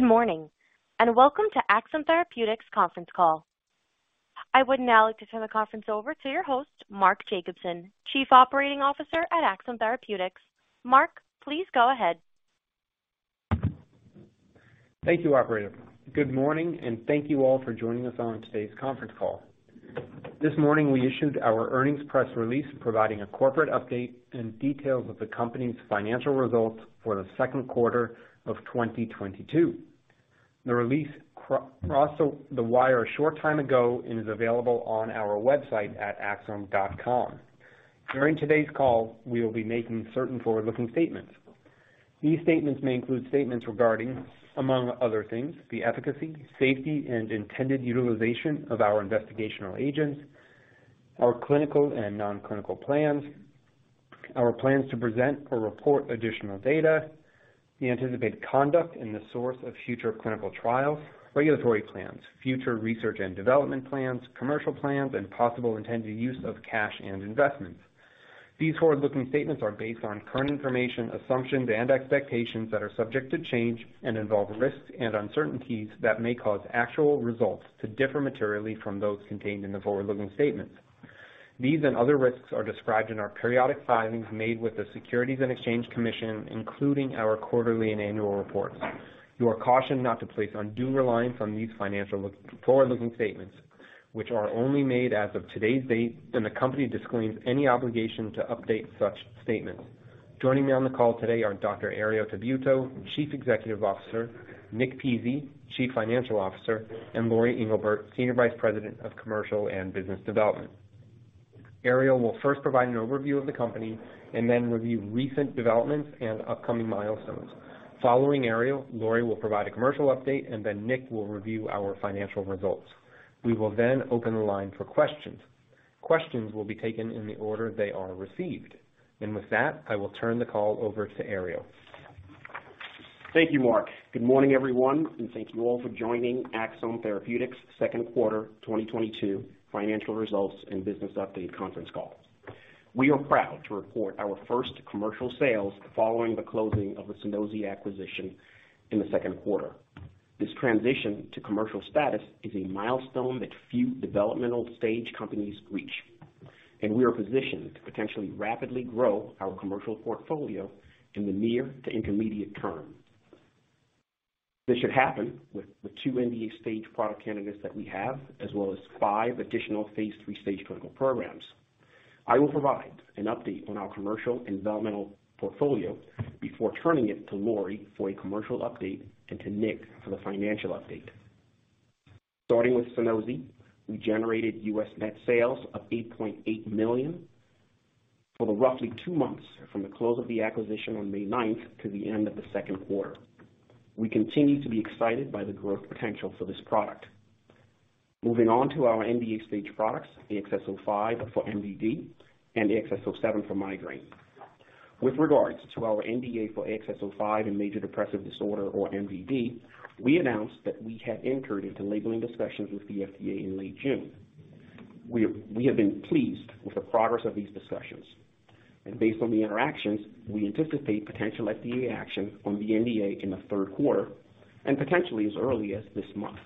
Good morning, and welcome to Axsome Therapeutics conference call. I would now like to turn the conference over to your host, Mark Jacobson, Chief Operating Officer at Axsome Therapeutics. Mark, please go ahead. Thank you, operator. Good morning, and thank you all for joining us on today's conference call. This morning, we issued our earnings press release providing a corporate update and details of the company's financial results for the Q2 of 2022. The release crossed the wire a short time ago and is available on our website at axsome.com. During today's call, we will be making certain forward-looking statements. These statements may include statements regarding, among other things, the efficacy, safety, and intended utilization of our investigational agents, our clinical and non-clinical plans, our plans to present or report additional data, the anticipated conduct and the source of future clinical trials, regulatory plans, future research and development plans, commercial plans, and possible intended use of cash and investments. These forward-looking statements are based on current information, assumptions, and expectations that are subject to change and involve risks and uncertainties that may cause actual results to differ materially from those contained in the forward-looking statements. These and other risks are described in our periodic filings made with the Securities and Exchange Commission, including our quarterly and annual reports. You are cautioned not to place undue reliance on these forward-looking statements, which are only made as of today's date, and the company disclaims any obligation to update such statements. Joining me on the call today are Dr. Herriot Tabuteau, Chief Executive Officer, Nick Pizzie, Chief Financial Officer, and Lori Englebert, Senior Vice President of Commercial and Business Development. Herriot will first provide an overview of the company and then review recent developments and upcoming milestones. Following Herriot, Lori will provide a commercial update, and then Nick will review our financial results. We will then open the line for questions. Questions will be taken in the order they are received. With that, I will turn the call over to Herriot. Thank you, Mark. Good morning, everyone, and thank you all for joining Axsome Therapeutics Q2 2022 financial results and business update conference call. We are proud to report our first commercial sales following the closing of the Sunosi acquisition in the Q2. This transition to commercial status is a milestone that few developmental stage companies reach, and we are positioned to potentially rapidly grow our commercial portfolio in the near to intermediate term. This should happen with the two NDA stage product candidates that we have, as well as five additional phase III stage clinical programs. I will provide an update on our commercial and developmental portfolio before turning it to Lori for a commercial update and to Nick for the financial update. Starting with Sunosi, we generated $8.8 million in net sales for the roughly two months from the close of the acquisition on May 9th to the end of the Q2. We continue to be excited by the growth potential for this product. Moving on to our NDA stage products, AXS-05 for MDD and AXS-07 for migraine. With regards to our NDA for AXS-05 in major depressive disorder or MDD, we announced that we had entered into labeling discussions with the FDA in late June. We have been pleased with the progress of these discussions. Based on the interactions, we anticipate potential FDA action on the NDA in the third quarter and potentially as early as this month.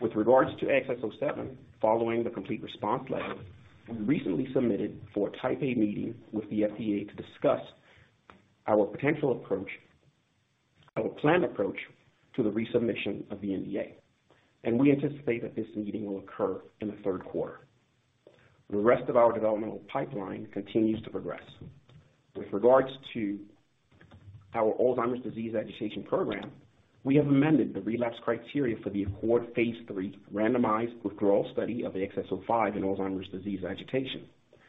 With regards to AXS-07, following the complete response letter, we recently submitted for a Type A meeting with the FDA to discuss our planned approach to the resubmission of the NDA. We anticipate that this meeting will occur in the Q3. The rest of our developmental pipeline continues to progress. With regards to our Alzheimer's disease agitation program, we have amended the relapse criteria for the ACCORD phase III randomized withdrawal study of AXS-05 in Alzheimer's disease agitation.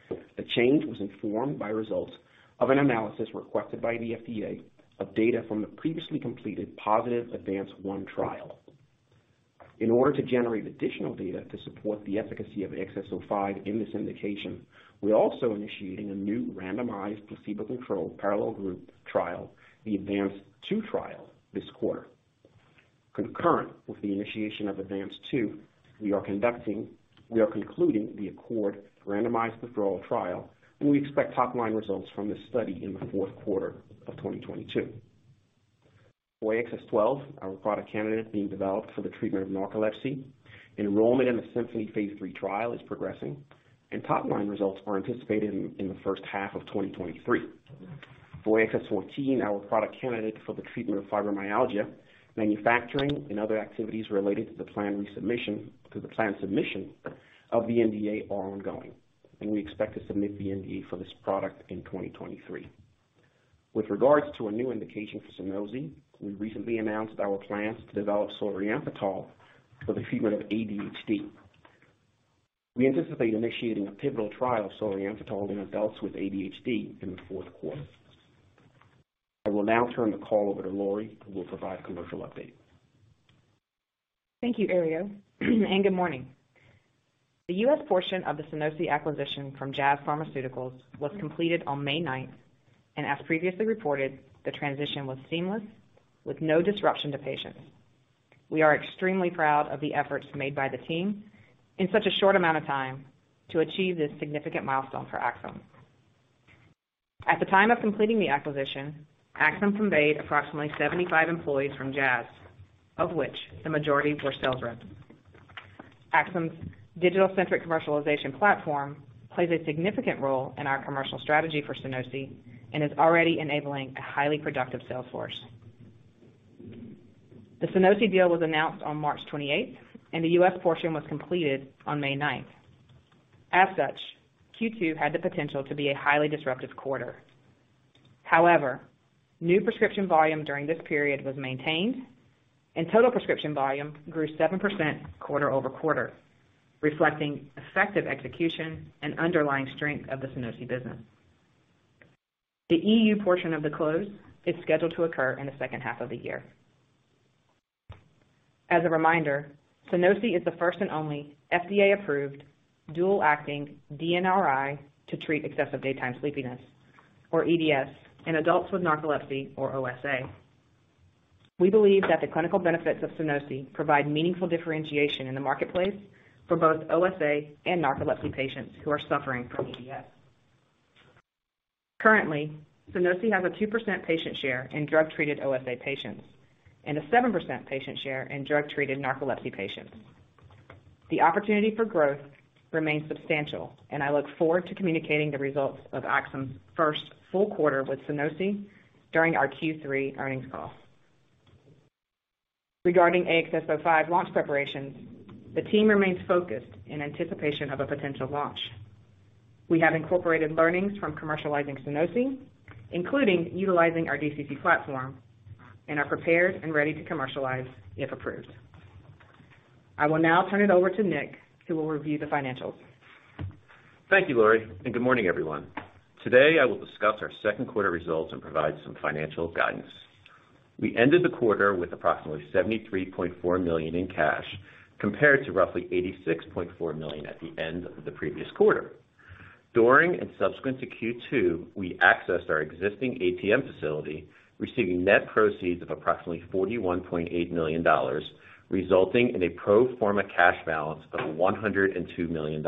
The change was informed by results of an analysis requested by the FDA of data from the previously completed positive ADVANCE-1 trial. In order to generate additional data to support the efficacy of AXS-05 in this indication, we're also initiating a new randomized placebo-controlled parallel group trial, the ADVANCE-2 trial, this quarter. Concurrent with the initiation of ADVANCE-2, we are concluding the ACCORD randomized withdrawal trial, and we expect top-line results from this study in the Q4 of 2022. For AXS-12, our product candidate being developed for the treatment of narcolepsy, enrollment in the SYMPHONY phase III trial is progressing, and top-line results are anticipated in the first half of 2023. For AXS-14, our product candidate for the treatment of fibromyalgia, manufacturing and other activities related to the planned submission of the NDA are ongoing, and we expect to submit the NDA for this product in 2023. With regards to a new indication for Sunosi, we recently announced our plans to develop solriamfetol for the treatment of ADHD. We anticipate initiating a pivotal trial of solriamfetol in adults with ADHD in the fourth quarter. I will now turn the call over to Lori, who will provide a commercial update. Thank you, Herriot. Good morning. The U.S. portion of the Sunosi acquisition from Jazz Pharmaceuticals was completed on May 9th, and as previously reported, the transition was seamless with no disruption to patients. We are extremely proud of the efforts made by the team in such a short amount of time to achieve this significant milestone for Axsome. At the time of completing the acquisition, Axsome conveyed approximately 75 employees from Jazz, of which the majority were sales reps. Axsome's digital-centric commercialization platform plays a significant role in our commercial strategy for Sunosi and is already enabling a highly productive sales force. The Sunosi deal was announced on March 28th, and the U.S. portion was completed on May 9th. As such, Q2 had the potential to be a highly disruptive quarter. However, new prescription volume during this period was maintained, and total prescription volume grew 7% quarter-over-quarter, reflecting effective execution and underlying strength of the Sunosi business. The EU portion of the close is scheduled to occur in the second half of the year. As a reminder, Sunosi is the first and only FDA-approved dual-acting DNRI to treat excessive daytime sleepiness, or EDS, in adults with narcolepsy or OSA. We believe that the clinical benefits of Sunosi provide meaningful differentiation in the marketplace for both OSA and narcolepsy patients who are suffering from EDS. Currently, Sunosi has a 2% patient share in drug-treated OSA patients and a 7% patient share in drug-treated narcolepsy patients. The opportunity for growth remains substantial, and I look forward to communicating the results of Axsome's first full quarter with Sunosi during our Q3 earnings call. Regarding AXS-05 launch preparations, the team remains focused in anticipation of a potential launch. We have incorporated learnings from commercializing Sunosi, including utilizing our DCC platform, and are prepared and ready to commercialize if approved. I will now turn it over to Nick, who will review the financials. Thank you, Lori, and good morning, everyone. Today, I will discuss our Q2 results and provide some financial guidance. We ended the quarter with approximately $73.4 million in cash, compared to roughly $86.4 million at the end of the previous quarter. During and subsequent to Q2, we accessed our existing ATM facility, receiving net proceeds of approximately $41.8 million, resulting in a pro forma cash balance of $102 million.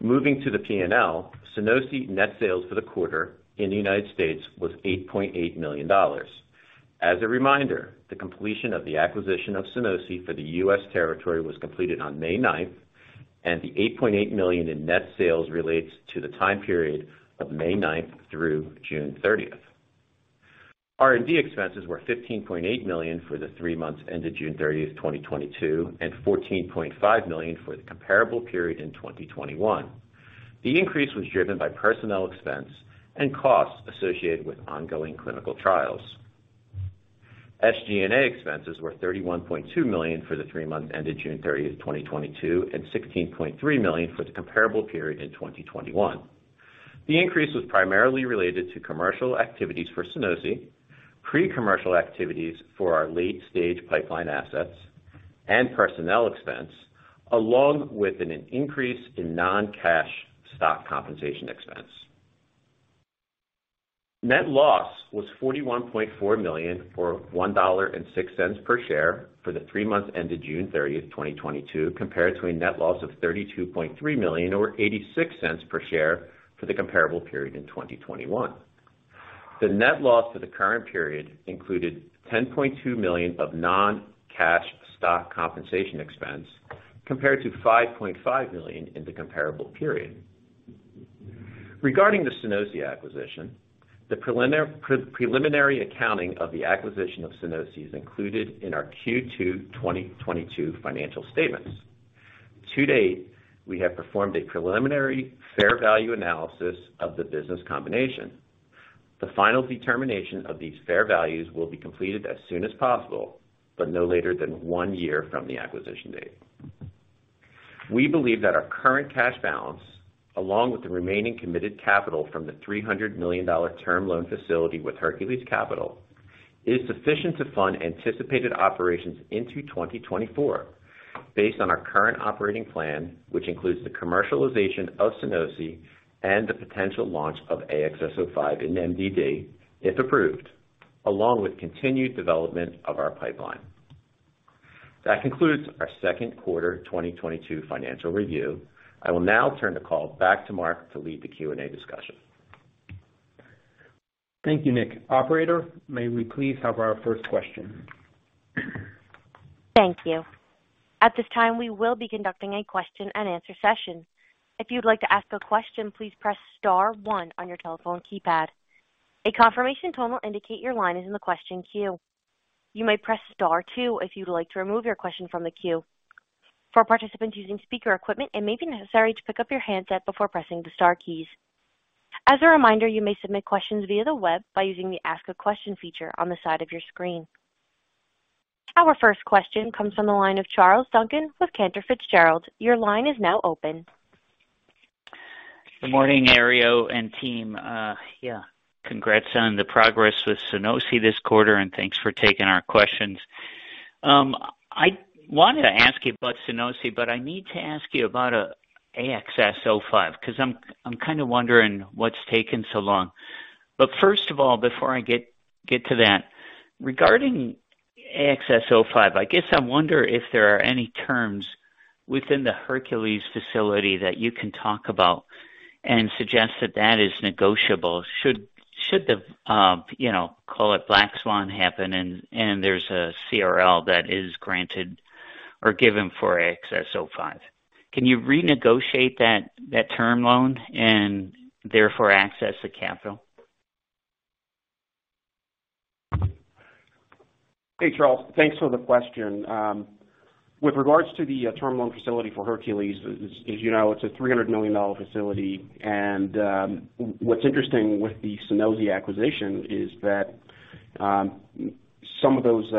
Moving to the P&L, Sunosi net sales for the quarter in the United States was $8.8 million. As a reminder, the completion of the acquisition of Sunosi for the U.S. territory was completed on May 9th, and the $8.8 million in net sales relates to the time period of May 9th through June 30th. R&D expenses were $15.8 million for the three months ended June 30th 2022, and $14.5 million for the comparable period in 2021. The increase was driven by personnel expense and costs associated with ongoing clinical trials. SG&A expenses were $31.2 million for the three months ended June 30th 2022, and $16.3 million for the comparable period in 2021. The increase was primarily related to commercial activities for Sunosi, pre-commercial activities for our late-stage pipeline assets, and personnel expense, along with an increase in non-cash stock compensation expense. Net loss was $41.4 million, or $1.06 per share for the three months ended June 30th 2022, compared to a net loss of $32.3 million, or $0.86 per share for the comparable period in 2021. The net loss for the current period included $10.2 million of non-cash stock compensation expense, compared to $5.5 million in the comparable period. Regarding the Sunosi acquisition, the preliminary accounting of the acquisition of Sunosi is included in our Q2 2022 financial statements. To date, we have performed a preliminary fair value analysis of the business combination. The final determination of these fair values will be completed as soon as possible, but no later than one year from the acquisition date. We believe that our current cash balance, along with the remaining committed capital from the $300 million term loan facility with Hercules Capital, is sufficient to fund anticipated operations into 2024 based on our current operating plan, which includes the commercialization of Sunosi and the potential launch of AXS-05 in MDD, if approved, along with continued development of our pipeline. That concludes our Q2 2022 financial review. I will now turn the call back to Mark to lead the Q&A discussion. Thank you, Nick. Operator, may we please have our first question? Thank you. At this time, we will be conducting a question and answer session. If you'd like to ask a question, please press star one on your telephone keypad. A confirmation tone will indicate your line is in the question queue. You may press star two if you'd like to remove your question from the queue. For participants using speaker equipment, it may be necessary to pick up your handset before pressing the star keys. As a reminder, you may submit questions via the web by using the Ask a Question feature on the side of your screen. Our first question comes from the line of Charles Duncan with Cantor Fitzgerald. Your line is now open. Good morning, Herriot and team. Yeah, congrats on the progress with Sunosi this quarter, and thanks for taking our questions. I wanted to ask you about Sunosi, but I need to ask you about AXS-05, 'cause I'm kind of wondering what's taking so long. First of all, before I get to that, regarding AXS-05, I guess I wonder if there are any terms within the Hercules facility that you can talk about and suggest that that is negotiable. Should the, you know, call it black swan happen and there's a CRL that is granted or given for AXS-05, can you renegotiate that term loan and therefore access the capital? Hey, Charles, thanks for the question. With regards to the term loan facility for Hercules, as you know, it's a $300 million facility. What's interesting with the Sunosi acquisition is that some of those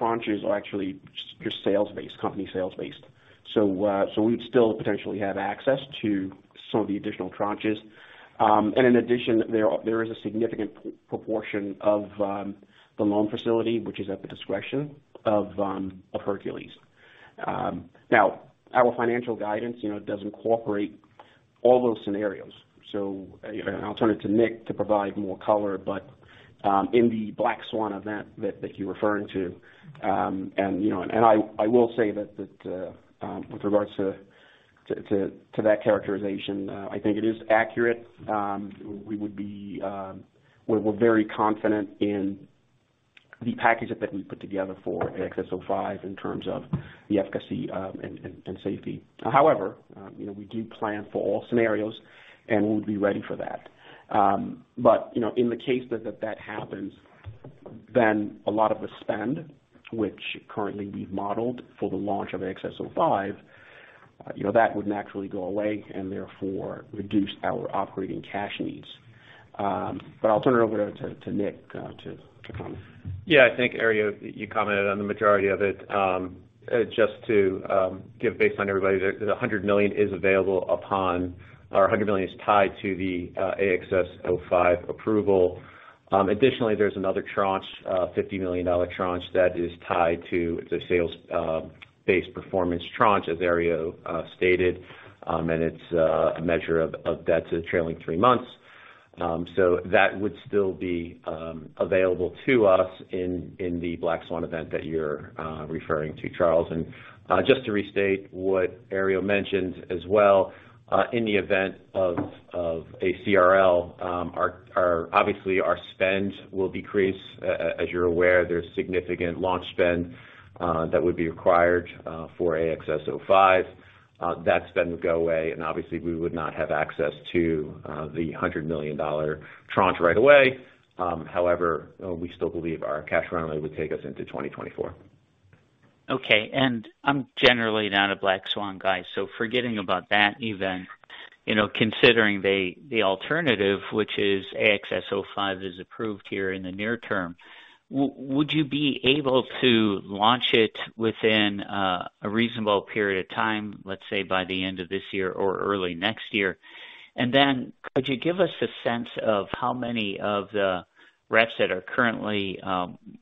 tranches are actually just sales-based, company sales-based. We'd still potentially have access to some of the additional tranches. In addition, there is a significant proportion of the loan facility, which is at the discretion of Hercules. Now, our financial guidance, you know, does incorporate all those scenarios. You know, and I'll turn it to Nick to provide more color. In the black swan event that you're referring to, you know, I will say that with regards to that characterization, I think it is accurate. We're very confident in the package that we put together for AXS-05 in terms of the efficacy and safety. However, you know, we do plan for all scenarios, and we'll be ready for that. You know, in the case that happens, then a lot of the spend, which currently we've modeled for the launch of AXS-05, you know, that would naturally go away and therefore reduce our operating cash needs. I'll turn it over to Nick to comment. Yeah. I think, Herriot, you commented on the majority of it. Just to give based on everybody that the $100 million is available upon or a $100 million is tied to the AXS-05 approval. Additionally, there's another tranche, $50 million tranche that is tied to the sales base performance tranche, as Herriot stated. And it's a measure of debts in trailing three months. That would still be available to us in the black swan event that you're referring to, Charles. Just to restate what Herriot mentioned as well, in the event of a CRL, obviously, our spend will decrease. As you're aware, there's significant launch spend that would be required for AXS-05. That spend would go away, and obviously, we would not have access to the $100 million tranche right away. However, we still believe our cash runway would take us into 2024. Okay. I'm generally not a black swan guy, so forgetting about that event, you know, considering the alternative, which is AXS-05 is approved here in the near term, would you be able to launch it within a reasonable period of time, let's say, by the end of this year or early next year? Could you give us a sense of how many of the reps that are currently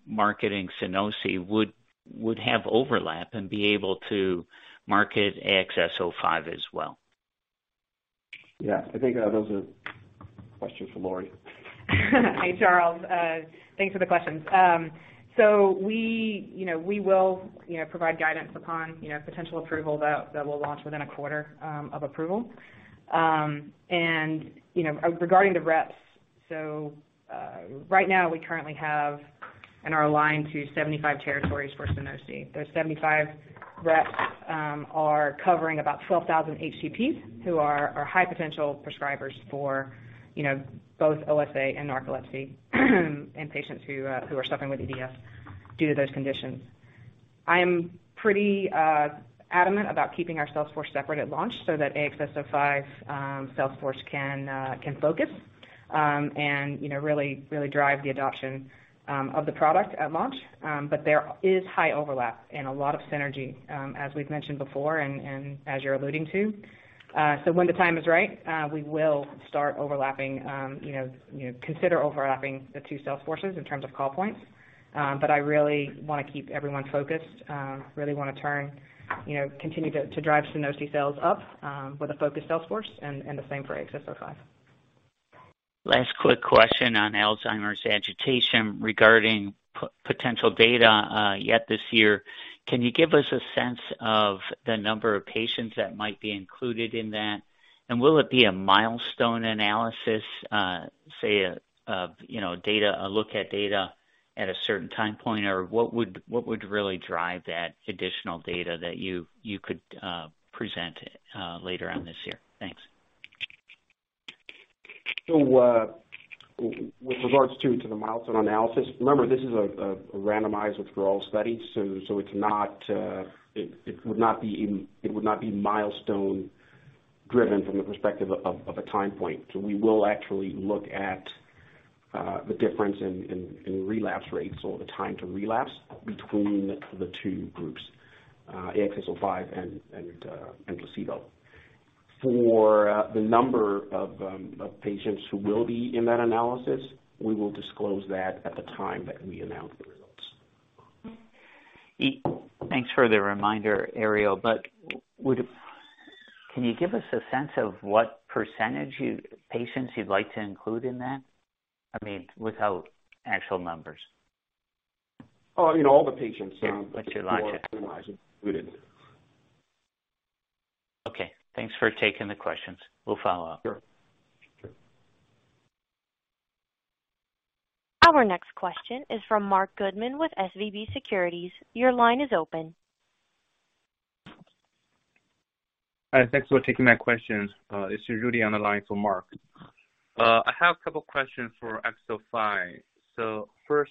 marketing Sunosi would have overlap and be able to market AXS-05 as well? Yeah. I think, those are questions for Lori. Hi, Charles. Thanks for the questions. We, you know, will, you know, provide guidance upon, you know, potential approval that will launch within a quarter of approval. You know, regarding the reps, right now we currently have and are aligned to 75 territories for Sunosi. Those 75 reps are covering about 12,000 HCPs who are high potential prescribers for, you know, both OSA and narcolepsy, and patients who are suffering with EDS due to those conditions. I am pretty adamant about keeping our sales force separate at launch so that AXS-05 sales force can focus, and, you know, really drive the adoption of the product at launch. There is high overlap and a lot of synergy, as we've mentioned before and as you're alluding to. When the time is right, we will start overlapping, you know, consider overlapping the two sales forces in terms of call points. I really wanna keep everyone focused, really wanna, you know, continue to drive Sunosi sales up, with a focused sales force and the same for AXS-05. Last quick question on Alzheimer's agitation regarding potential data yet this year. Can you give us a sense of the number of patients that might be included in that? Will it be a milestone analysis, say, you know, a look at data at a certain time point? Or what would really drive that additional data that you could present later on this year? Thanks. With regards to the milestone analysis, remember, this is a randomized withdrawal study. It's not milestone driven from the perspective of a time point. We will actually look at the difference in relapse rates or the time to relapse between the two groups, AXS-05 and placebo. For the number of patients who will be in that analysis, we will disclose that at the time that we announce the results. Thanks for the reminder, Herriot. Can you give us a sense of what percentage of patients you'd like to include in that? I mean, without actual numbers. Oh, in all the patients with Alzheimer's included. Okay. Thanks for taking the questions. We'll follow up. Sure. Sure. Our next question is from Marc Goodman with SVB Securities. Your line is open. Hi. Thanks for taking my questions. This is Rudy on the line for Mark. I have a couple questions for XS-05. First,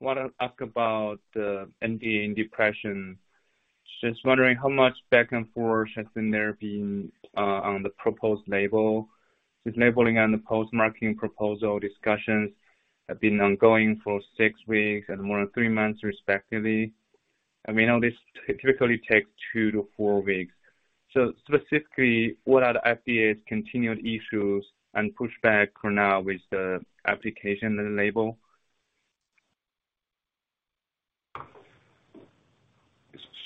wanna ask about the NDA in depression. Just wondering how much back and forth has there been on the proposed label? This labeling and the post-marketing proposal discussions have been ongoing for six weeks and more than three months, respectively. I mean, all this typically takes two to four weeks. Specifically, what are the FDA's continued issues and pushback for now with the application and the label?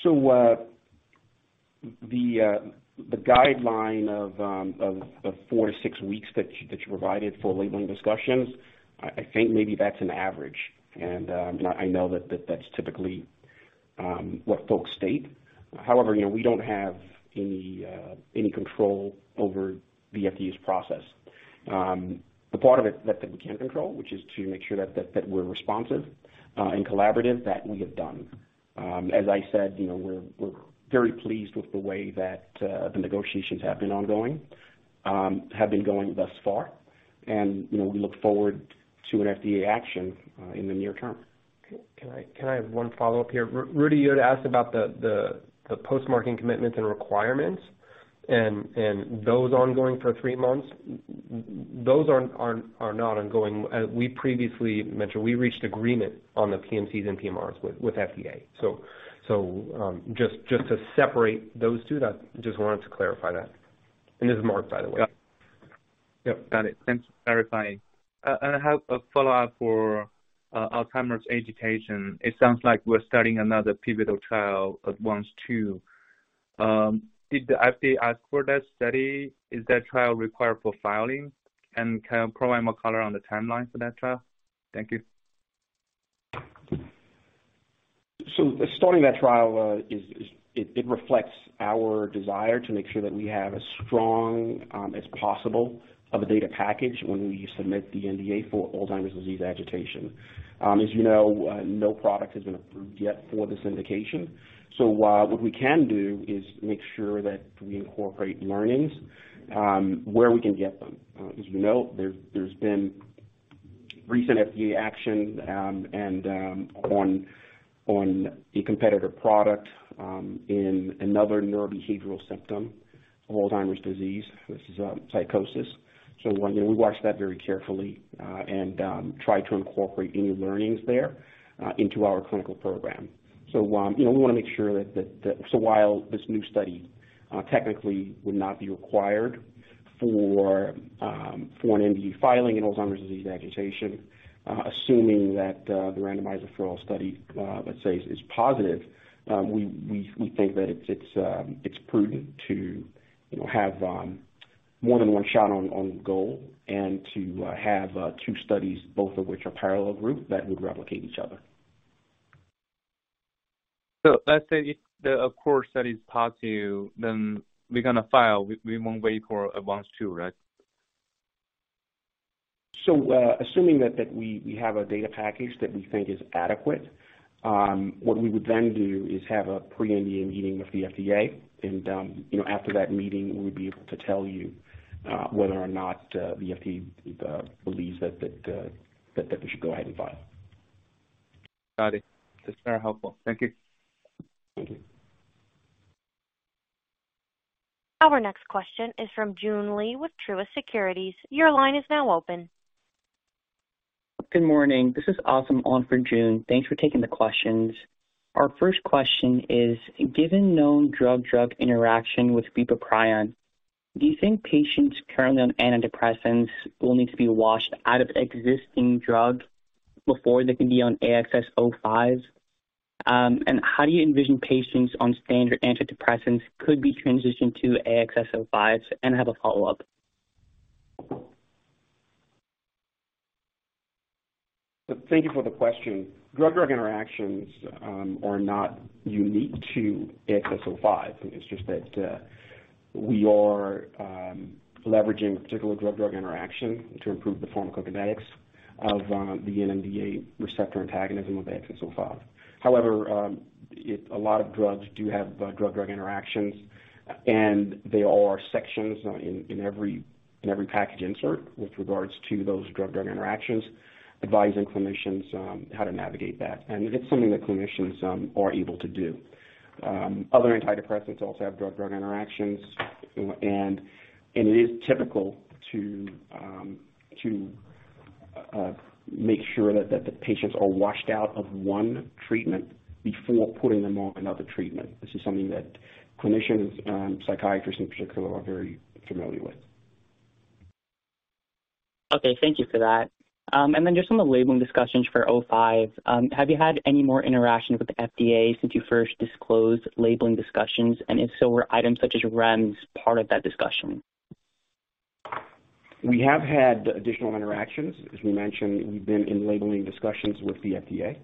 The guideline of four to six weeks that you provided for labeling discussions, I think maybe that's an average. I know that that's typically what folks state. However, you know, we don't have any control over the FDA's process. The part of it that we can control, which is to make sure that we're responsive and collaborative, that we have done. As I said, you know, we're very pleased with the way that the negotiations have been going thus far. You know, we look forward to an FDA action in the near term. Can I have one follow-up here? Rudy, you had asked about the post-marketing commitments and requirements and those ongoing for three months. Those aren't ongoing. We previously mentioned we reached agreement on the PMCs and PMRs with FDA. To separate those two, I just wanted to clarify that. This is Mark, by the way. Yep, got it. Thanks for clarifying. I have a follow-up for Alzheimer's agitation. It sounds like we're starting another pivotal trial, ADVANCE-2. Did the FDA ask for that study? Is that trial required for filing? Can you provide more color on the timeline for that trial? Thank you. Starting that trial it reflects our desire to make sure that we have as strong as possible of a data package when we submit the NDA for Alzheimer's disease agitation. As you know, no product has been approved yet for this indication. What we can do is make sure that we incorporate learnings where we can get them. As we know, there's been recent FDA action and on the competitor product in another neurobehavioral symptom of Alzheimer's disease. This is psychosis. You know, we watch that very carefully and try to incorporate any learnings there into our clinical program. You know, we wanna make sure that... While this new study technically would not be required for an NDA filing in Alzheimer's disease agitation, assuming that the randomized withdrawal study, let's say, is positive, we think that it's prudent to, you know, have more than one shot on goal and to have two studies, both of which are parallel group that would replicate each other. Let's say if, of course, that is positive, then we're gonna file. We won't wait for ADVANCE-2, right? Assuming that we have a data package that we think is adequate, what we would then do is have a pre-NDA meeting with the FDA and, you know, after that meeting, we would be able to tell you whether or not the FDA believes that we should go ahead and file. Got it. That's very helpful. Thank you. Thank you. Our next question is from Joon Lee with Truist Securities. Your line is now open. Good morning. This is Asim on for Joon. Thanks for taking the questions. Our first question is, given known drug-drug interaction with bupropion, do you think patients currently on antidepressants will need to be washed out of existing drug before they can be on AXS-05? And how do you envision patients on standard antidepressants could be transitioned to AXS-05? I have a follow-up. Thank you for the question. Drug-drug interactions are not unique to AXS-05. It's just that we are leveraging particular drug-drug interaction to improve the pharmacokinetics of the NMDA receptor antagonism of AXS-05. However, a lot of drugs do have drug-drug interactions, and there are sections in every package insert with regards to those drug-drug interactions advising clinicians how to navigate that. It's something that clinicians are able to do. Other antidepressants also have drug-drug interactions. It is typical to make sure that the patients are washed out of one treatment before putting them on another treatment. This is something that clinicians, psychiatrists in particular, are very familiar with. Okay. Thank you for that. Just on the labeling discussions for 05, have you had any more interaction with the FDA since you first disclosed labeling discussions? If so, were items such as REMS part of that discussion? We have had additional interactions. As we mentioned, we've been in labeling discussions with the FDA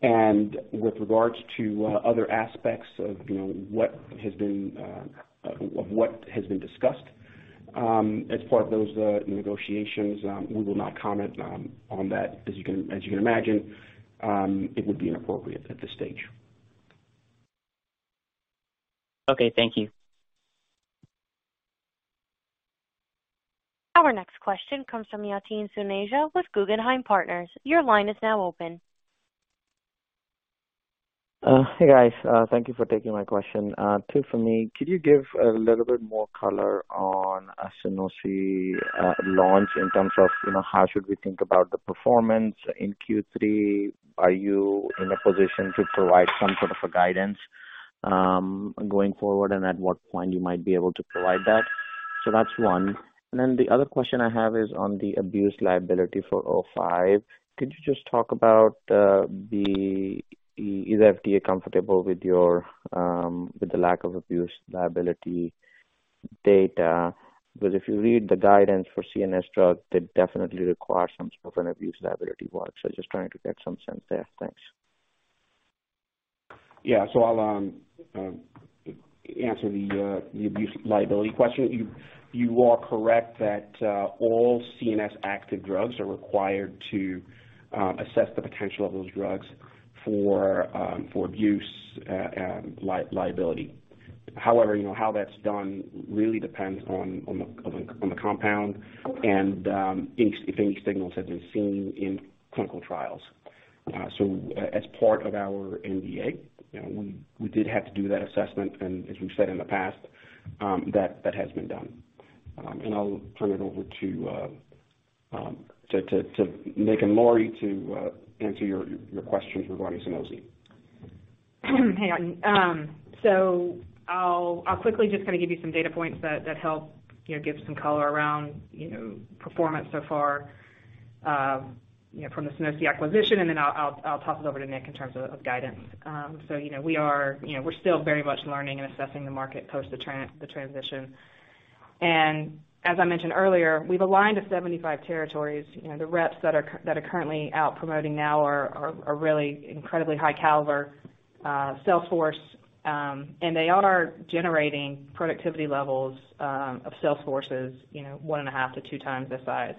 and with regards to other aspects of, you know, what has been discussed as part of those negotiations, we will not comment on that. As you can imagine, it would be inappropriate at this stage. Okay. Thank you. Our next question comes from Yatin Suneja with Guggenheim Partners. Your line is now open. Hey, guys. Thank you for taking my question. Two for me. Could you give a little bit more color on a Sunosi launch in terms of, you know, how should we think about the performance in Q3? Are you in a position to provide some sort of a guidance going forward? And at what point you might be able to provide that? So that's one. And then the other question I have is on the abuse liability for 05. Could you just talk about, is FDA comfortable with your, with the lack of abuse liability data? Because if you read the guidance for CNS drug, they definitely require some sort of an abuse liability work. So just trying to get some sense there. Thanks. Yeah. I'll answer the abuse liability question. You are correct that all CNS active drugs are required to assess the potential of those drugs for abuse liability. However, you know how that's done really depends on the compound and if any signals have been seen in clinical trials. As part of our NDA, you know, we did have to do that assessment. As we've said in the past, that has been done. I'll turn it over to Nick and Lori to answer your questions regarding Sunosi. I'll quickly just kind of give you some data points that help, you know, give some color around, you know, performance so far from the Sunosi acquisition, and then I'll toss it over to Nick in terms of guidance. We're still very much learning and assessing the market post the transition. As I mentioned earlier, we've aligned to 75 territories. You know, the reps that are currently out promoting now are really incredibly high caliber sales force. They are generating productivity levels of sales forces, you know, 1.5-2x the size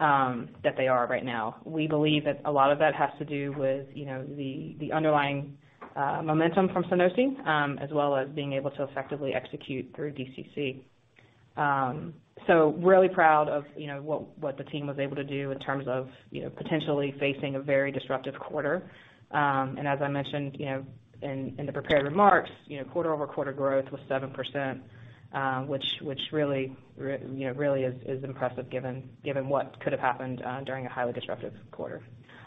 that they are right now. We believe that a lot of that has to do with, you know, the underlying momentum from Sunosi, as well as being able to effectively execute through DCC. Really proud of, you know, what the team was able to do in terms of, you know, potentially facing a very disruptive quarter. As I mentioned, you know, in the prepared remarks, you know, quarter-over-quarter growth was 7%, which really, you know, really is impressive, given what could have happened during a highly disruptive quarter.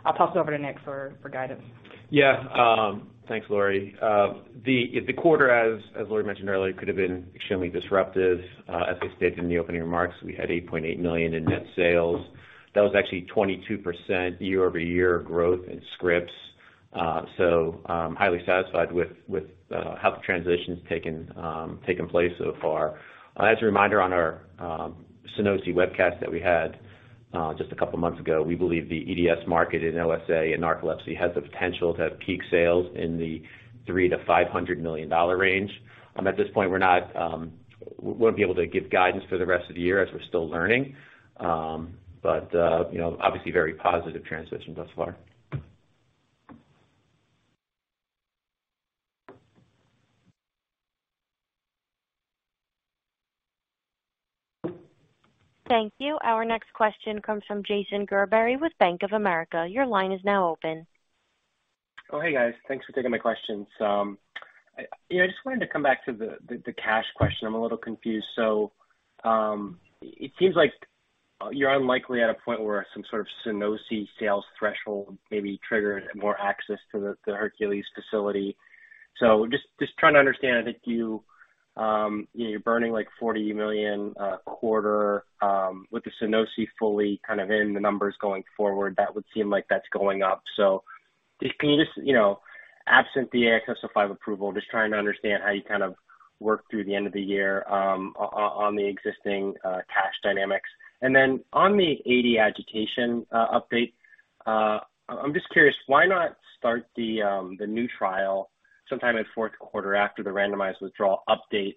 I'll toss it over to Nick for guidance. Yeah. Thanks, Lori. The quarter as Lori mentioned earlier could have been extremely disruptive. As I stated in the opening remarks, we had $8.8 million in net sales. That was actually 22% year-over-year growth in scripts. So I'm highly satisfied with how the transition's taken place so far. As a reminder on our Sunosi webcast that we had just a couple months ago, we believe the EDS market in OSA and narcolepsy has the potential to have peak sales in the $300 million-$500 million range. At this point we wouldn't be able to give guidance for the rest of the year as we're still learning. You know, obviously very positive transition thus far. Thank you. Our next question comes from Jason Gerberry with Bank of America. Your line is now open. Oh, hey, guys. Thanks for taking my questions. I just wanted to come back to the cash question. I'm a little confused. It seems like you're unlikely at a point where some sort of Sunosi sales threshold maybe triggered more access to the Hercules Capital facility. Just trying to understand, I think you know, you're burning like $40 million a quarter with the Sunosi fully kind of in the numbers going forward, that would seem like that's going up. Can you just, you know, absent the AXS-05 approval, just trying to understand how you kind of work through the end of the year on the existing cash dynamics. On the AD agitation update, I'm just curious why not start the new trial sometime in Q4 after the randomized withdrawal update?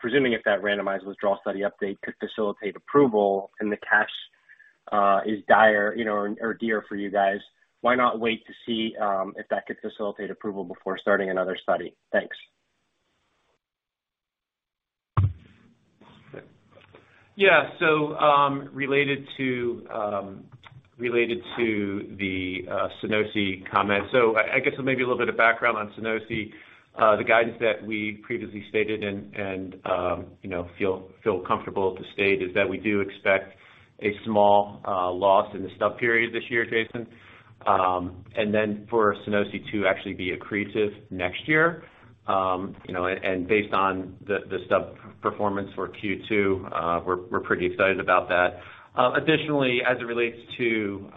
Presuming if that randomized withdrawal study update could facilitate approval and the cash is dire, you know, or dear for you guys, why not wait to see if that could facilitate approval before starting another study? Thanks. Related to the Sunosi comment. I guess maybe a little bit of background on Sunosi. The guidance that we previously stated and you know feel comfortable to state is that we do expect a small loss in the stub period this year, Jason. For Sunosi to actually be accretive next year. You know, based on the stub performance for Q2, we're pretty excited about that. Additionally, as it relates to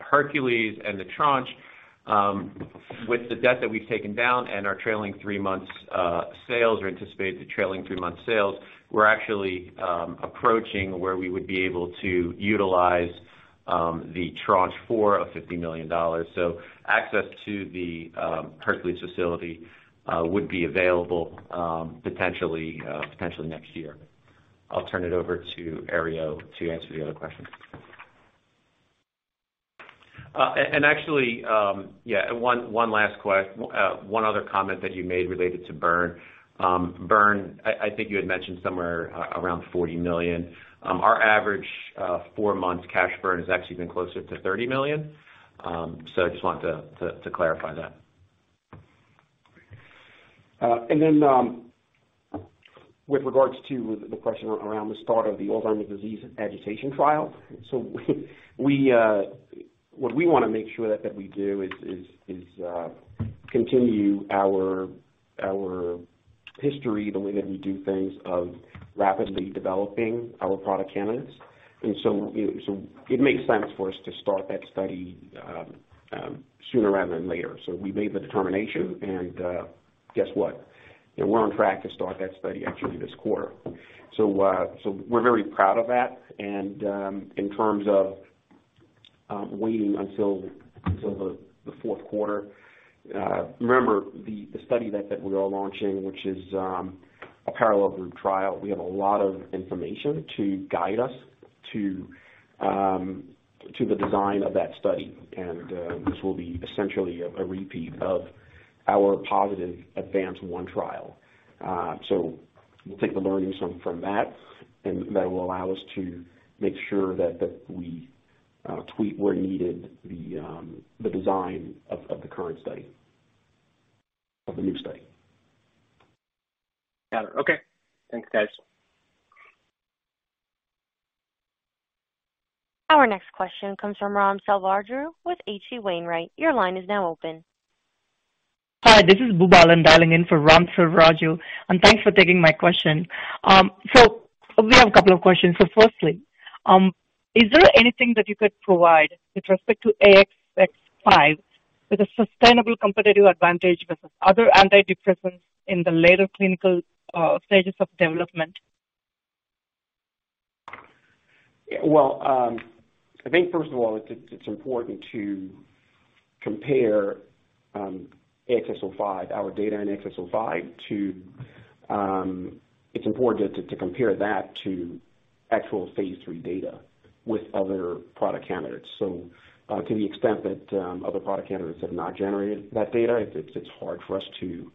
Hercules and the tranche with the debt that we've taken down and our trailing three months sales or anticipated trailing three months sales, we're actually approaching where we would be able to utilize the tranche four of $50 million. Access to the Hercules facility would be available potentially next year. I'll turn it over to Herriot to answer the other questions. Actually, one other comment that you made related to burn. I think you had mentioned somewhere around $40 million. Our average four months cash burn has actually been closer to $30 million. I just wanted to clarify that. With regards to the question around the start of the Alzheimer's disease agitation trial. We what we wanna make sure that we do is continue our history the way that we do things of rapidly developing our product candidates. You know, it makes sense for us to start that study sooner rather than later. We made the determination and guess what? You know, we're on track to start that study actually this quarter. We're very proud of that. In terms of waiting until the Q4, remember the study that we are launching, which is a parallel group trial. We have a lot of information to guide us to the design of that study. This will be essentially a repeat of our positive ADVANCE-1 trial. We'll take the learnings from that, and that will allow us to make sure that we tweak where needed the design of the new study. Got it. Okay. Thanks, guys. Our next question comes from Ram Selvaraju with H.C. Wainwright. Your line is now open. Hi, this is Boobalan dialing in for Ram Selvaraju, and thanks for taking my question. We have a couple of questions. Firstly, is there anything that you could provide with respect to AXS-05 with a sustainable competitive advantage versus other antidepressants in the later clinical stages of development? Well, I think first of all it's important to compare our data in AXS-05 to actual phase III data with other product candidates. To the extent that other product candidates have not generated that data, it's hard for us to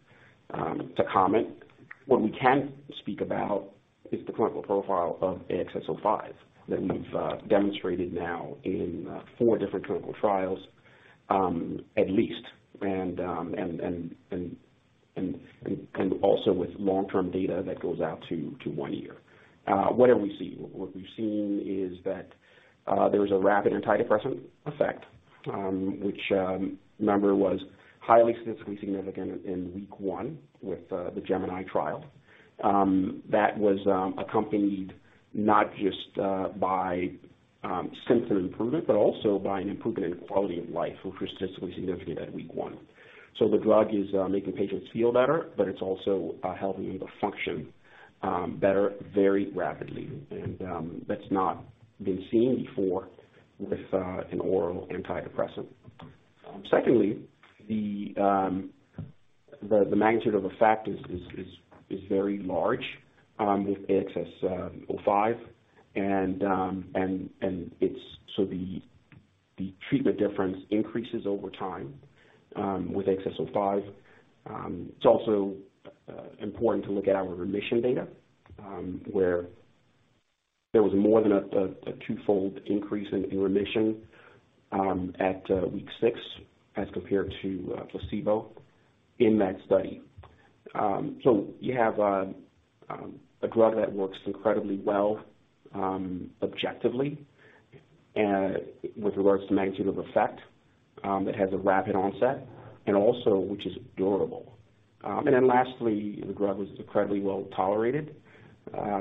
comment. What we can speak about is the clinical profile of AXS-05 that we've demonstrated now in four different clinical trials, at least, also with long-term data that goes out to one year. What are we seeing? What we've seen is that there was a rapid antidepressant effect, which remember was highly statistically significant in week one with the GEMINI trial. That was accompanied not just by symptom improvement, but also by an improvement in quality of life, which was statistically significant at week one. The drug is making patients feel better, but it's also helping them to function better very rapidly. That's not been seen before with an oral antidepressant. Secondly, the magnitude of effect is very large with AXS-05. The treatment difference increases over time with AXS-05. It's also important to look at our remission data, where there was more than a twofold increase in remission at week six as compared to placebo in that study. You have a drug that works incredibly well, objectively, with regards to magnitude of effect, that has a rapid onset and also which is durable. Then lastly, the drug was incredibly well-tolerated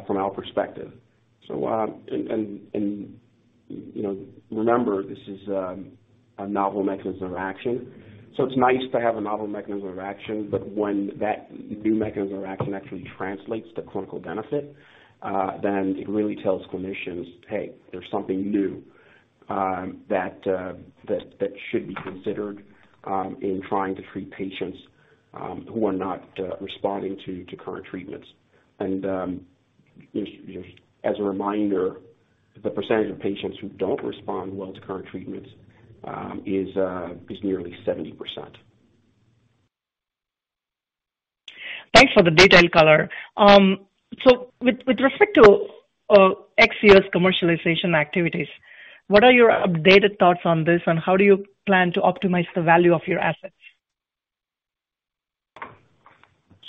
from our perspective. You know, remember this is a novel mechanism of action, so it's nice to have a novel mechanism of action. But when that new mechanism of action actually translates to clinical benefit, then it really tells clinicians, "Hey, there's something new that should be considered in trying to treat patients who are not responding to current treatments." As a reminder, the percentage of patients who don't respond well to current treatments is nearly 70%. Thanks for the detailed color. So with respect to ex-U.S. commercialization activities, what are your updated thoughts on this, and how do you plan to optimize the value of your assets?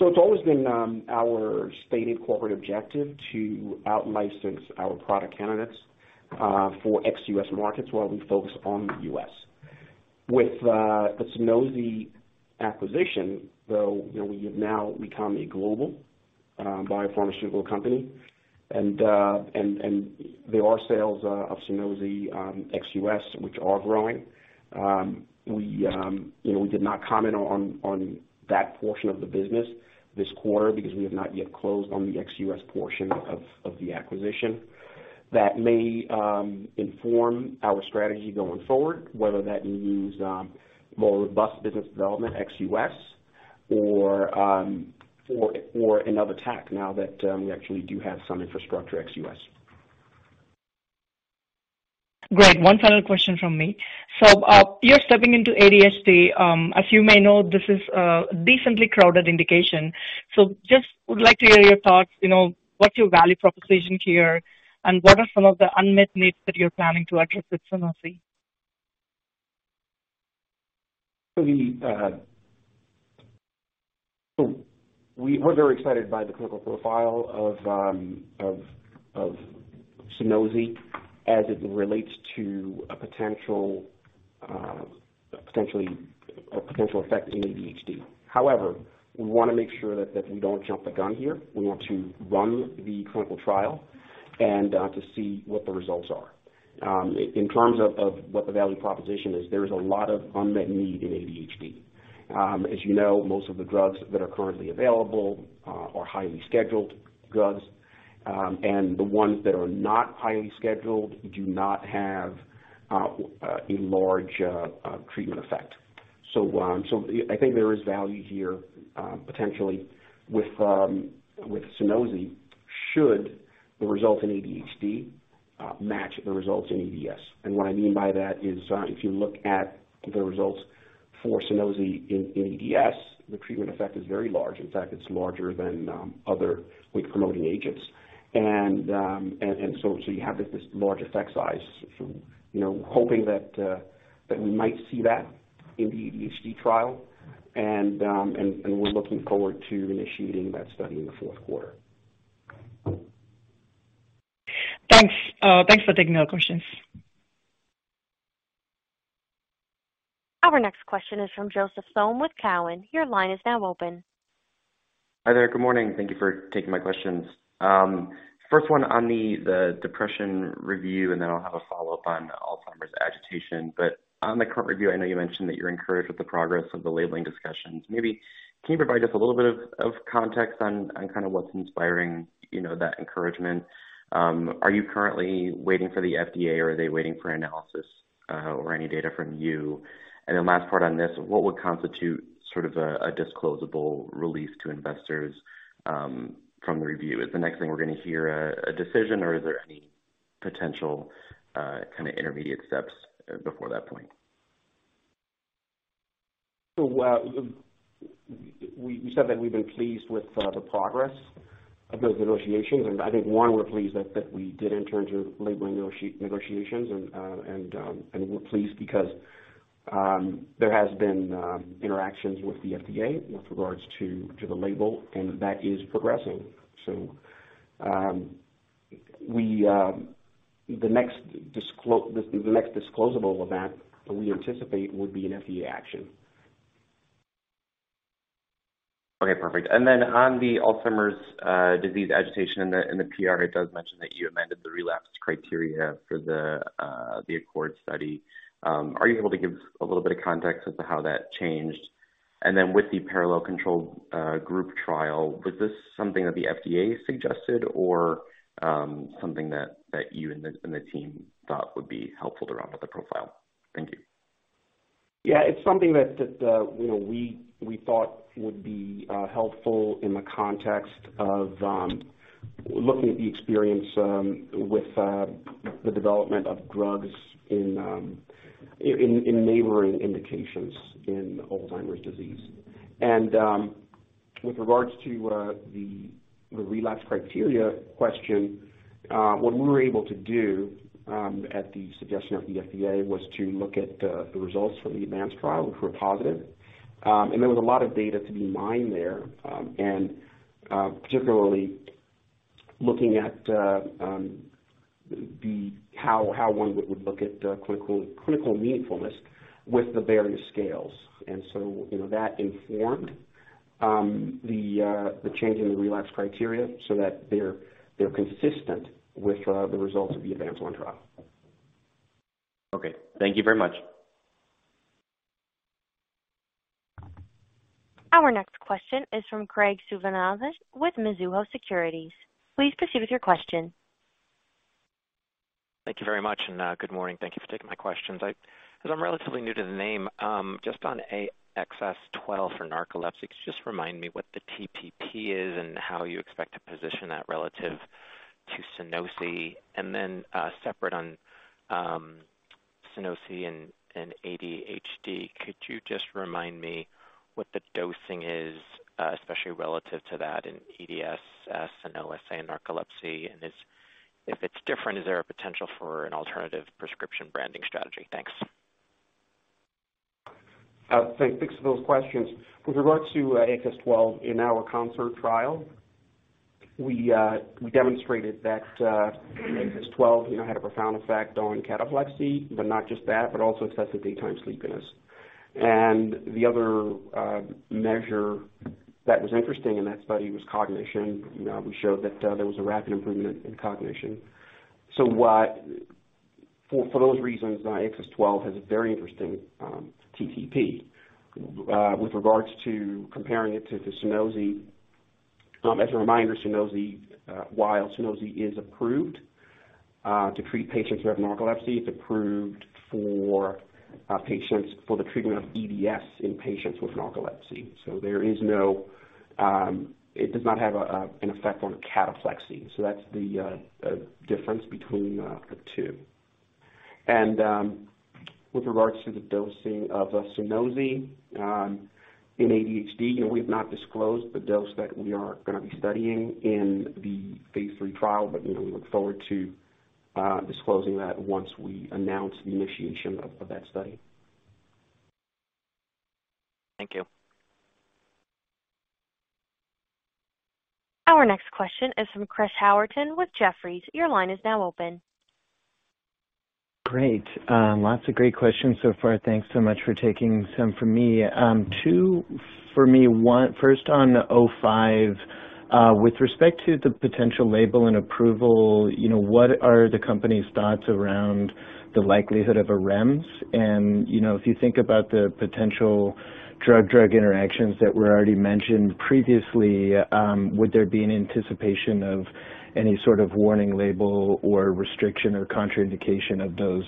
It's always been our stated corporate objective to out-license our product candidates for ex-U.S. markets while we focus on the U.S. With the Sunosi acquisition, though, we have now become a global biopharmaceutical company. There are sales of Sunosi ex-U.S. which are growing. We did not comment on that portion of the business this quarter because we have not yet closed on the ex-U.S. portion of the acquisition. That may inform our strategy going forward, whether that means more robust business development ex-U.S. or another tack now that we actually do have some infrastructure ex-U.S. Great. One final question from me. So, you're stepping into ADHD. As you may know, this is a decently crowded indication. Just would like to hear your thoughts, you know, what's your value proposition here, and what are some of the unmet needs that you're planning to address with Sunosi? We are very excited by the clinical profile of Sunosi as it relates to a potential effect in ADHD. However, we wanna make sure that we don't jump the gun here. We want to run the clinical trial and to see what the results are. In terms of what the value proposition is, there is a lot of unmet need in ADHD. As you know, most of the drugs that are currently available are highly scheduled drugs, and the ones that are not highly scheduled do not have a large treatment effect. I think there is value here, potentially with Sunosi should the results in ADHD match the results in EDS. What I mean by that is, if you look at the results for Sunosi in EDS, the treatment effect is very large. In fact, it's larger than other wake promoting agents. So you have this large effect size from, you know, hoping that we might see that in the ADHD trial. We're looking forward to initiating that study in the Q4. Thanks. Thanks for taking the questions. Our next question is from Joseph Thome with Cowen. Your line is now open. Hi there. Good morning. Thank you for taking my questions. First one on the depression review, and then I'll have a follow-up on Alzheimer's agitation. On the current review, I know you mentioned that you're encouraged with the progress of the labeling discussions. Maybe can you provide just a little bit of context on kind of what's inspiring, you know, that encouragement? Are you currently waiting for the FDA or are they waiting for analysis or any data from you? And then last part on this, what would constitute sort of a disclosable release to investors from the review? Is the next thing we're gonna hear a decision, or is there any potential kind of intermediate steps before that point? We said that we've been pleased with the progress of those negotiations. I think we're pleased that we did enter into labeling negotiations. We're pleased because there has been interactions with the FDA with regards to the label, and that is progressing. The next disclosable event that we anticipate would be an FDA action. Okay, perfect. Then on the Alzheimer's disease agitation, in the PR, it does mention that you amended the relapse criteria for the ACCORD study. Are you able to give a little bit of context as to how that changed? With the parallel controlled group trial, was this something that the FDA suggested or something that you and the team thought would be helpful to round out the profile? Thank you. Yeah, it's something that you know, we thought would be helpful in the context of looking at the experience with the development of drugs in neighboring indications in Alzheimer's disease. With regards to the relapse criteria question, what we were able to do at the suggestion of the FDA was to look at the results from the ADVANCE trial, which were positive. There was a lot of data to be mined there, and particularly looking at how one would look at clinical meaningfulness with the various scales. You know, that informed the change in the relapse criteria so that they're consistent with the results of the ADVANCE-1 trial. Okay. Thank you very much. Our next question is from Graig Suvannavejh with Mizuho Securities. Please proceed with your question. Thank you very much, and good morning. Thank you for taking my questions. I, as I'm relatively new to the name, just on AXS-12 for narcolepsy, could you just remind me what the TTP is and how you expect to position that relative to Sunosi? Then, separate on Sunosi and ADHD, could you just remind me what the dosing is, especially relative to that in EDS, S, and OSA, and narcolepsy? If it's different, is there a potential for an alternative prescription branding strategy? Thanks. Thanks for those questions. With regards to AXS-12, in our CONCERT trial, we demonstrated that AXS-12, you know, had a profound effect on cataplexy, but not just that, but also excessive daytime sleepiness. The other measure that was interesting in that study was cognition. You know, we showed that there was a rapid improvement in cognition. For those reasons, AXS-12 has a very interesting TTP with regards to comparing it to Sunosi. As a reminder, Sunosi, while Sunosi is approved to treat patients who have narcolepsy, it's approved for patients for the treatment of EDS in patients with narcolepsy. There is no. It does not have an effect on cataplexy. That's the difference between the two. With regards to the dosing of Sunosi in ADHD, you know, we've not disclosed the dose that we are gonna be studying in the phase III trial, but you know, we look forward to disclosing that once we announce the initiation of that study. Thank you. Our next question is from Chris Howerton with Jefferies. Your line is now open. Great. Lots of great questions so far. Thanks so much for taking some from me. Two for me. First on the 05, with respect to the potential label and approval, you know, what are the company's thoughts around the likelihood of a REMS? And, you know, if you think about the potential drug-drug interactions that were already mentioned previously, would there be an anticipation of any sort of warning label or restriction or contraindication of those,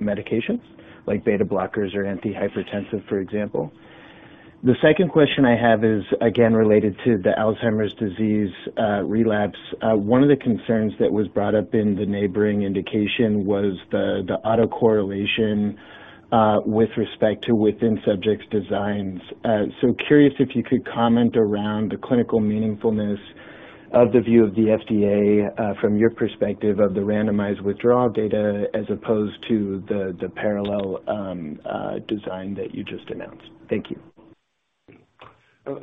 medications like beta blockers or antihypertensive, for example? The second question I have is again related to the Alzheimer's disease relapse. One of the concerns that was brought up in the neighboring indication was the autocorrelation, with respect to within-subjects designs. Curious if you could comment around the clinical meaningfulness of the view of the FDA, from your perspective of the randomized withdrawal data as opposed to the parallel design that you just announced? Thank you.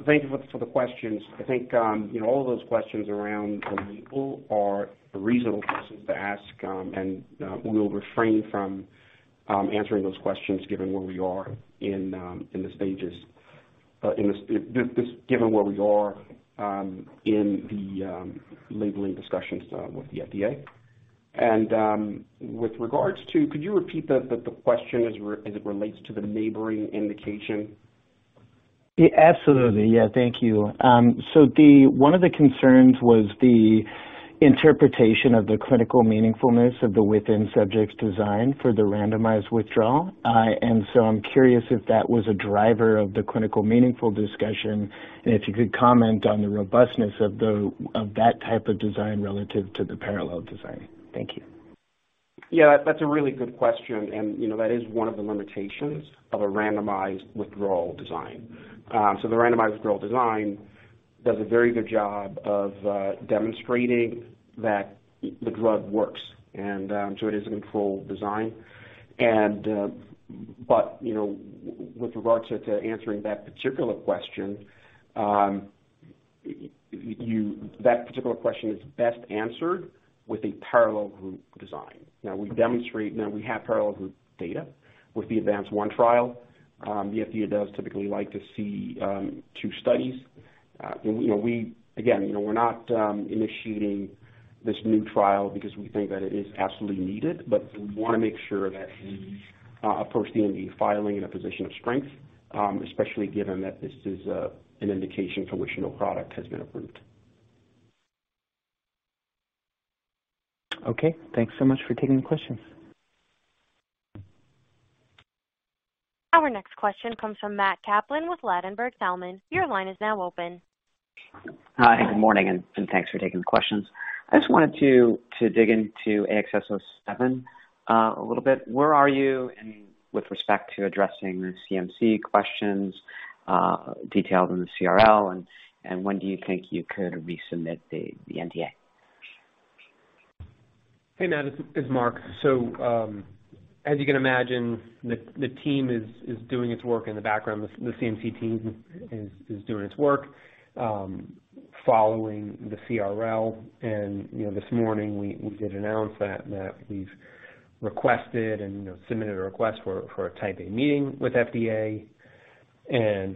Thank you for the questions. I think you know all of those questions around the label are reasonable questions to ask, and we'll refrain from answering those questions given where we are in the labeling discussions with the FDA. With regards to, could you repeat the question as it relates to the neighboring indication? Yeah. Absolutely. Yeah. Thank you. One of the concerns was the interpretation of the clinically meaningfulness of the within-subjects design for the randomized withdrawal. I'm curious if that was a driver of the clinically meaningful discussion and if you could comment on the robustness of that type of design relative to the parallel design. Thank you. Yeah. That's a really good question, and you know, that is one of the limitations of a randomized withdrawal design. The randomized withdrawal design does a very good job of demonstrating that the drug works, and so it is a controlled design. You know, with regards to answering that particular question, that particular question is best answered with a parallel group design. Now we have parallel group data with the ADVANCE-1 trial. The FDA does typically like to see two studies. You know, we. Again, you know, we're not initiating this new trial because we think that it is absolutely needed, but we wanna make sure that we approach the NDA filing in a position of strength, especially given that this is an indication for which no product has been approved. Okay. Thanks so much for taking the question. Our next question comes from Matt Kaplan with Ladenburg Thalmann. Your line is now open. Hi, good morning, thanks for taking the questions. I just wanted to dig into AXS-07 a little bit. Where are you in with respect to addressing the CMC questions detailed in the CRL and when do you think you could resubmit the NDA? Hey, Matt. This is Mark. As you can imagine, the team is doing its work in the background. The CMC team is doing its work following the CRL. You know, this morning we did announce that we've requested and you know, submitted a request for a Type A meeting with FDA.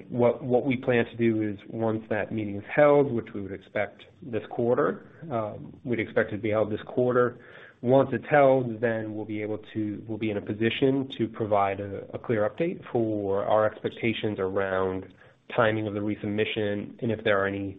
What we plan to do is once that meeting is held, which we would expect this quarter, we'd expect to be held this quarter. Once it's held, then we'll be in a position to provide a clear update for our expectations around timing of the resubmission and if there are any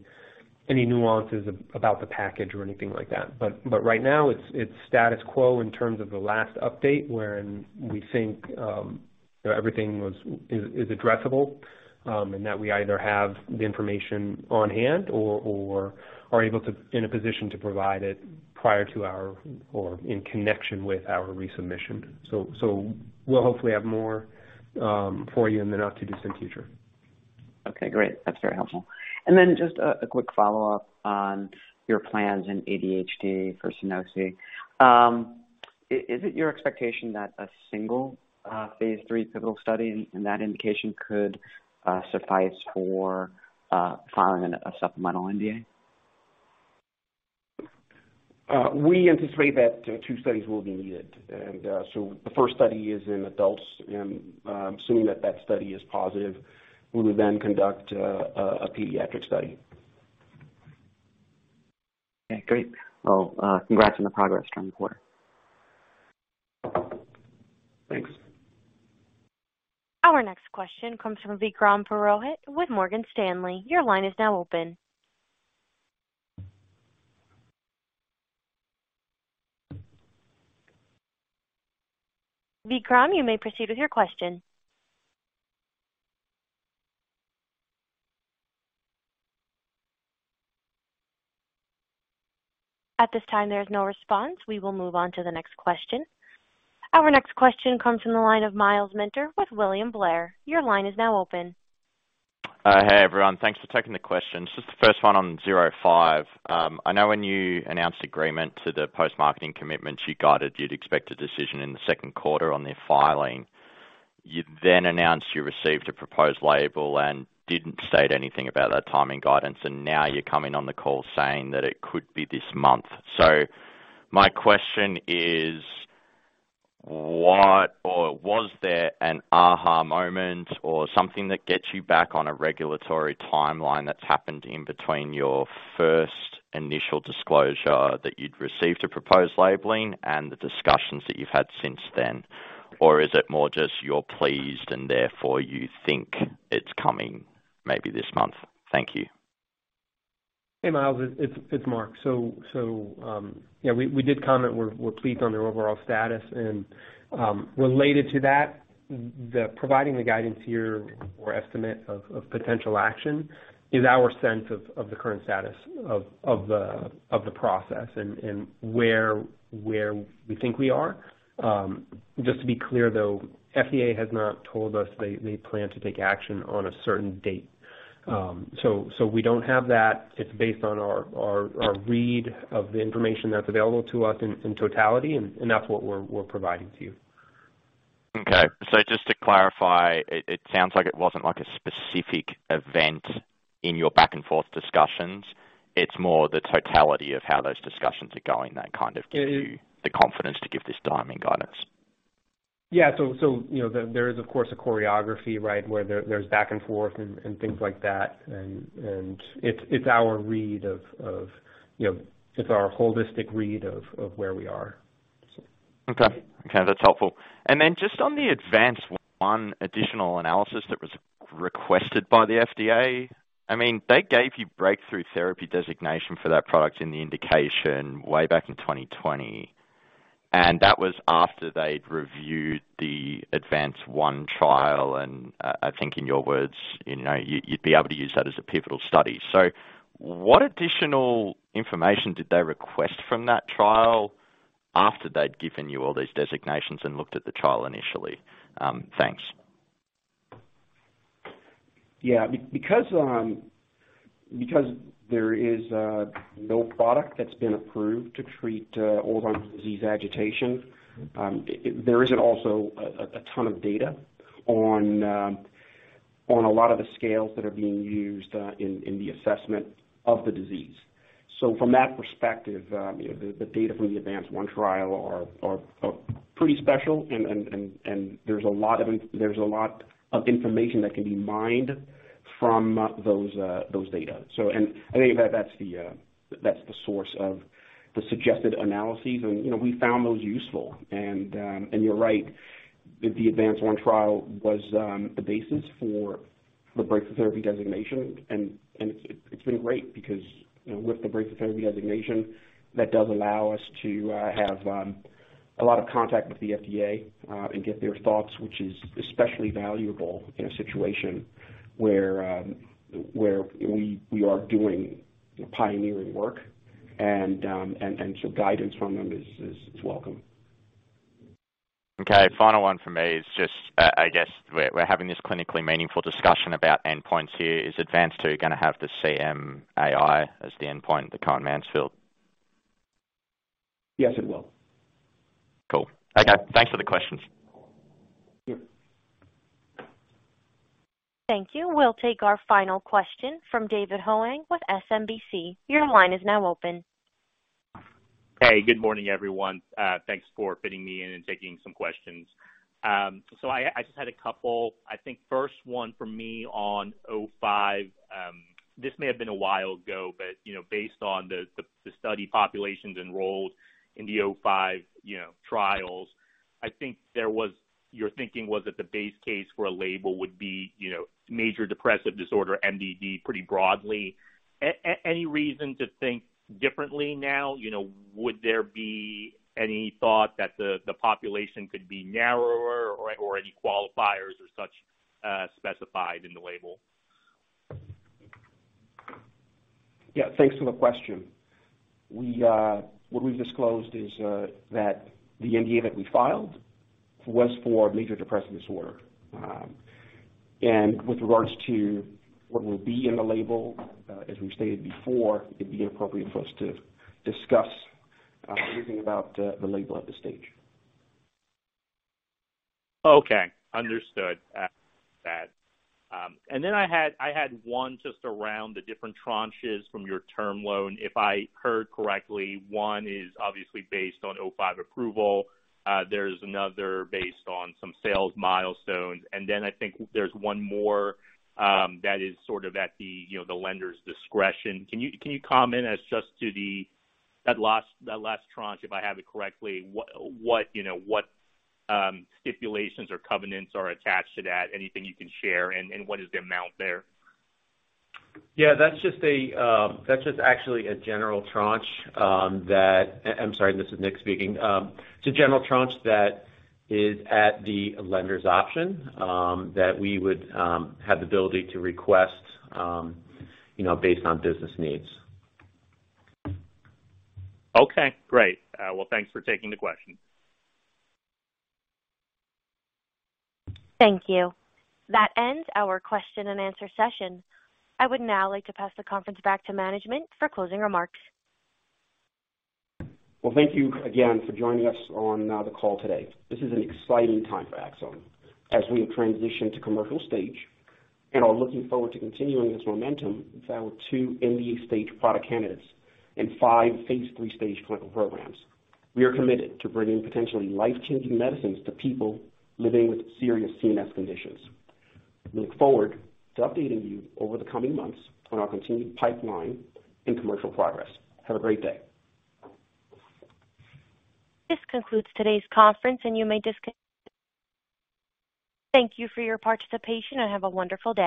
nuances about the package or anything like that. Right now it's status quo in terms of the last update, wherein we think, you know, everything is addressable, and that we either have the information on hand or in a position to provide it prior to our or in connection with our resubmission. We'll hopefully have more for you in the not too distant future. Okay. Great. That's very helpful. Just a quick follow-up on your plans in ADHD for Sunosi. Is it your expectation that a single phase III pivotal study in that indication could suffice for filing a supplemental NDA? We anticipate that two studies will be needed. The first study is in adults and, assuming that that study is positive, we will then conduct a pediatric study. Okay, great. Well, congrats on the progress during the quarter. Thanks. Our next question comes from Vikram Purohit with Morgan Stanley. Your line is now open. Vikram, you may proceed with your question. At this time, there is no response. We will move on to the next question. Our next question comes from the line of Myles Minter with William Blair. Your line is now open. Hey, everyone. Thanks for taking the questions. Just the first one on 05. I know when you announced agreement to the post-marketing commitment, you guided you'd expect a decision in the Q2 on their filing. You then announced you received a proposed label and didn't state anything about that timing guidance. Now you're coming on the call saying that it could be this month. My question is what or was there an aha moment or something that gets you back on a regulatory timeline that's happened in between your first initial disclosure that you'd received a proposed labeling and the discussions that you've had since then? Or is it more just you're pleased and therefore you think it's coming maybe this month? Thank you. Hey, Myles, it's Mark. We did comment. We're pleased on their overall status. Related to that, providing the guidance here or estimate of potential action is our sense of the current status of the process and where we think we are. Just to be clear, though, FDA has not told us they plan to take action on a certain date. We don't have that. It's based on our read of the information that's available to us in totality, and that's what we're providing to you. Okay. Just to clarify, it sounds like it wasn't like a specific event in your back and forth discussions. It's more the totality of how those discussions are going that kind of give you the confidence to give this timing guidance. Yeah. So, you know, there is of course a choreography, right, where there's back and forth and things like that. It's our read of, you know, it's our holistic read of where we are. Okay, that's helpful. Just on the ADVANCE-1 additional analysis that was requested by the FDA, I mean, they gave you breakthrough therapy designation for that product in the indication way back in 2020. That was after they'd reviewed the ADVANCE-1 trial, and I think in your words, you know, you'd be able to use that as a pivotal study. What additional information did they request from that trial after they'd given you all these designations and looked at the trial initially? Thanks. Yeah. Because there is no product that's been approved to treat Alzheimer's disease agitation, there isn't also a ton of data on a lot of the scales that are being used in the assessment of the disease. From that perspective, the data from the ADVANCE-1 trial are pretty special and there's a lot of information that can be mined from those data. I think that that's the source of the suggested analyses. You know, we found those useful. You're right, the ADVANCE-1 trial was the basis for the breakthrough therapy designation. It's been great because, you know, with the breakthrough therapy designation, that does allow us to have a lot of contact with the FDA and get their thoughts, which is especially valuable in a situation where we are doing pioneering work. Guidance from them is welcome. Okay. Final one for me is just, I guess we're having this clinically meaningful discussion about endpoints here. Is ADVANCE-2 gonna have the CMAI as the endpoint, the Cohen-Mansfield? Yes, it will. Cool. Okay. Thanks for the questions. Yeah. Thank you. We'll take our final question from David Hoang with SMBC. Your line is now open. Hey, good morning, everyone. Thanks for fitting me in and taking some questions. I just had a couple. I think first one for me on 05. This may have been a while ago, but you know, based on the study populations enrolled in the 05, you know, trials, I think your thinking was that the base case for a label would be you know, major depressive disorder, MDD pretty broadly. Any reason to think differently now? You know, would there be any thought that the population could be narrower or any qualifiers or such specified in the label? Yeah. Thanks for the question. What we've disclosed is that the NDA that we filed was for major depressive disorder. With regards to what will be in the label, as we've stated before, it'd be inappropriate for us to discuss anything about the label at this stage. Okay. Understood. I had one just around the different tranches from your term loan. If I heard correctly, one is obviously based on 05 approval. There's another based on some sales milestones. I think there's one more that is sort of at the lender's discretion. Can you comment as to the last tranche, if I have it correctly, what stipulations or covenants are attached to that? Anything you can share? What is the amount there? I'm sorry, this is Nick speaking. It's a general tranche that is at the lender's option that we would have the ability to request, you know, based on business needs. Okay, great. Well, thanks for taking the question. Thank you. That ends our question and answer session. I would now like to pass the conference back to management for closing remarks. Well, thank you again for joining us on the call today. This is an exciting time for Axsome as we transition to commercial stage and are looking forward to continuing this momentum with our two NDA-stage product candidates and five phase III stage clinical programs. We are committed to bringing potentially life-changing medicines to people living with serious CNS conditions. We look forward to updating you over the coming months on our continued pipeline and commercial progress. Have a great day. This concludes today's conference, and you may disconnect. Thank you for your participation, and have a wonderful day.